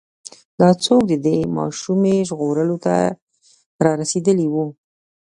دا ځواک د دې ماشومې ژغورلو ته را رسېدلی و.